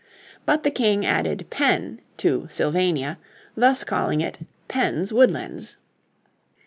But the King added Penn to Sylvania thus calling it Penn's Woodlands.